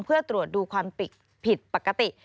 เพื่อตรวจดูความผิดปกติ